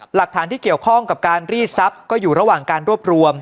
หลักฐานที่เกี่ยวข้องกับการรีดทรัพย์ก็อยู่ระหว่างการรวบรวม